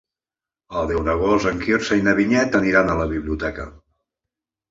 El deu d'agost en Quirze i na Vinyet aniran a la biblioteca.